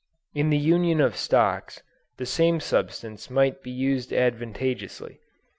In the union of stocks the same substance might be used advantageously.